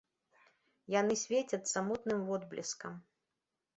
Яны свецяцца мутным водблескам.